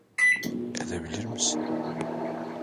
Edebilir misin?